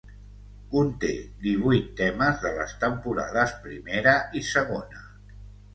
Conté divuit temes de les temporades primera i segona.